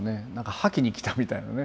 吐きに来たみたいなね